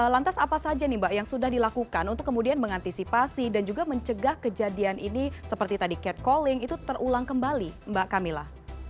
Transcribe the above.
lantas apa saja nih mbak yang sudah dilakukan untuk kemudian mengantisipasi dan juga mencegah kejadian ini seperti tadi cat calling itu terulang kembali mbak camilla